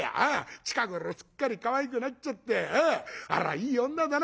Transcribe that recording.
近頃すっかりかわいくなっちゃってあらぁいい女だな」。